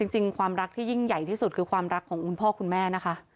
ความรักที่ยิ่งใหญ่ที่สุดคือความรักของคุณพ่อคุณแม่นะคะ